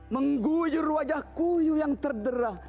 mengguyur wajah kuyuh yang terderah